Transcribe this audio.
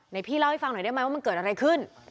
พี่เล่าให้ฟังหน่อยได้ไหมว่ามันเกิดอะไรขึ้น